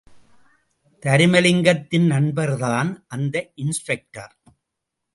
தருமலிங்கத்தின் நண்பர்தான் அந்த இன்ஸ்பெக்டர்.